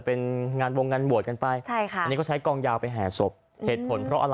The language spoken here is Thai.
เป็นงานศพที่แปลก